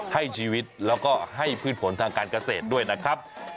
ให้ชีวิตแล้วก็ให้พืชผลทางการเกษตรด้วยนะครับ